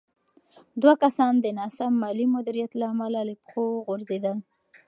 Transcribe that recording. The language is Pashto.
دوه کسان د ناسم مالي مدیریت له امله له پښو وغورځېدل.